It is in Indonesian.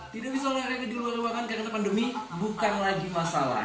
tidak bisa olahraga di luar ruangan karena pandemi bukan lagi masalah